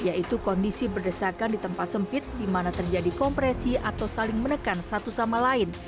yaitu kondisi berdesakan di tempat sempit di mana terjadi kompresi atau saling menekan satu sama lain